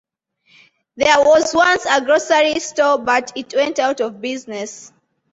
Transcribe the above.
There was once a grocery store but it went out of business.